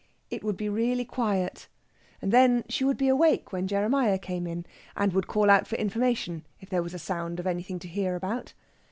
It would be really quiet. And then she would be awake when Jeremiah came in, and would call out for information if there was a sound of anything to hear about.